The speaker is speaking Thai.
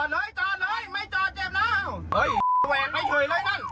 หนีซะอี๋เลย